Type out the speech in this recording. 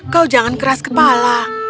kau jangan keras kepala